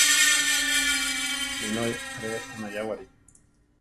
Binói aáre anayáwari.